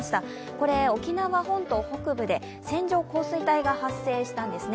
これ、沖縄本島北部で線状降水帯が発生したんです。